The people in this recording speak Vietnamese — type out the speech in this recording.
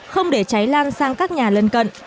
không để cháy lan sang các nhà lân cận